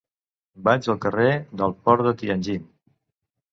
Vaig al carrer del Port de Tianjin.